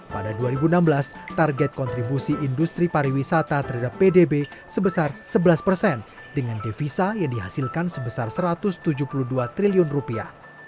pada dua ribu enam belas target kontribusi industri pariwisata terhadap pdb sebesar sebelas persen dengan devisa yang dihasilkan sebesar satu ratus tujuh puluh dua triliun rupiah